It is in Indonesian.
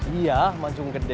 iya mancung gede